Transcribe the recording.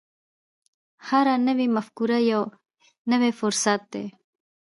هره نوې مفکوره یو نوی فرصت دی.